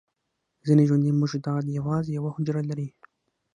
ځینې ژوندي موجودات یوازې یوه حجره لري